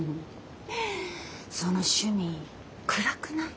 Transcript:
その趣味暗くない？